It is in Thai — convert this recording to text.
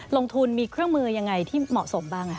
ลงทุนมีเครื่องมือยังไงที่เหมาะสมบ้าง